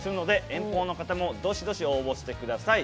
遠方の方もどしどし応募してください。